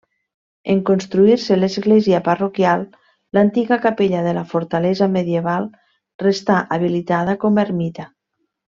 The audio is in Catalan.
En construir-se l'església parroquial, l'antiga capella de la fortalesa medieval restà habilitada com a ermita.